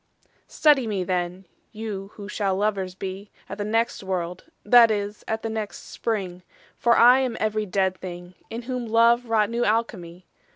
Study me then, you who shall lovers bee At the next world, that is, at the next Spring: For I am every dead thing, In whom love wrought new Alchimie.